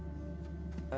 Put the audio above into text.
え。